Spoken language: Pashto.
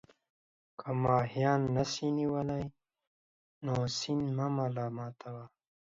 که ماهيان نسې نيولى، نو سيند مه ملامت وه.